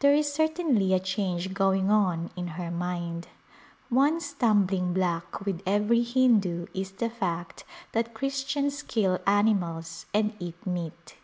There is certainly a change going on in her mind. One stumbling block with every Hindu is the fact that Christians kill animals and eat meat.